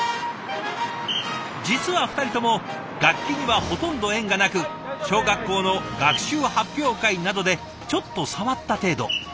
実は２人とも楽器にはほとんど縁がなく小学校の学習発表会などでちょっと触った程度。